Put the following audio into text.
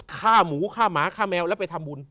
ฆ่าหมูฆ่าหมาฆ่าแมวแล้วไปทำบุญ